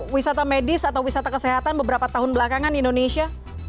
wisata medis atau wisata kesehatan beberapa tahun belakangan di indonesia